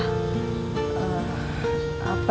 dia bilang kerjanya apa